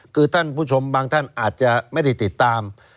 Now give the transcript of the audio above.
คือท่านผู้ชมบางท่านอาจจะไม่ได้ติดตาม